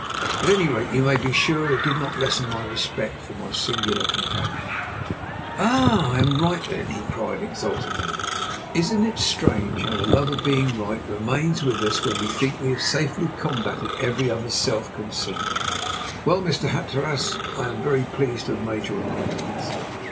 At any rate you may be sure it did not lessen my respect for my singular companion. "Ah! I am right, then!" he cried exultingly. "Isn't it strange how the love of being right remains with us, when we think we have safely combated every other self conceit. Well, Mr. Hatteras, I am very pleased to have made your acquaintance.